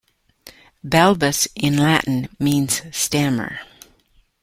"Balbus" in Latin means "stammer".